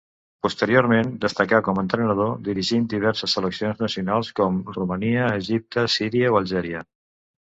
Posteriorment destacà com entrenador, dirigint diverses seleccions nacionals com Romania, Egipte, Síria o Algèria.